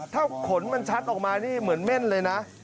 ถ้าขนมันชัดออกมานี่เหมือนเม่นเลยนะ